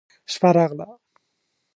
شپه راغله.